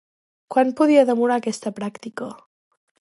Quant podia demorar aquesta pràctica?